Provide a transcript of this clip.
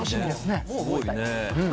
すごいよね。